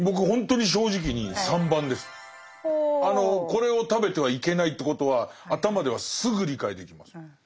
これを食べてはいけないということは頭ではすぐ理解できます。